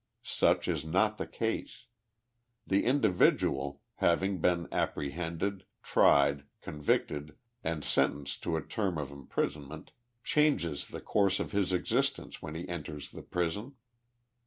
Such is not the case. The individual, having been apprehended, tried, convicted and sentenced to a term of imprisonment, changes the course of his existence when he enters the prison.